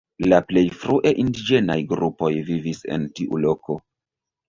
La plej frue indiĝenaj grupoj vivis en tiu loko.